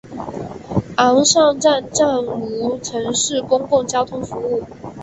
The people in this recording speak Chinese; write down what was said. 昂尚站暂无城市公共交通服务。